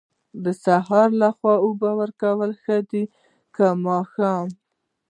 د سهار لخوا اوبه ورکول ښه دي که ماښام؟